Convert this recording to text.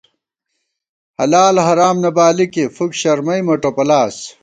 حلال حرام نہ بالِکے فُک شرمئی مہ ٹوپلاس